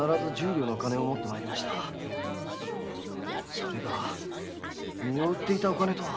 それが身を売っていたお金とは。